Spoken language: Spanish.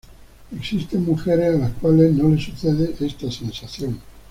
Existen mujeres a las cuales no le sucede esta sensación.